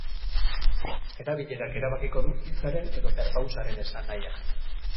Erabilerak erabakiko du hitzaren edo perpausaren esanahia.